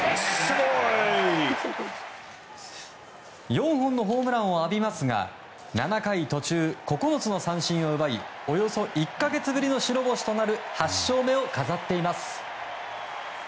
４本のホームランを浴びますが７回途中、９つの三振を奪いおよそ１か月ぶりの白星となる８勝目を飾っています。